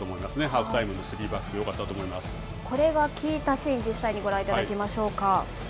ハーフタイムのスリーバック、これが効いたシーン、実際にご覧いただきましょうか。